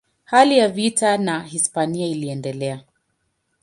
Hali ya vita na Hispania iliendelea.